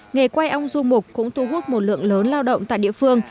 nghề quay ông du mục cũng thu hút một lượng lớn lao động tại địa phương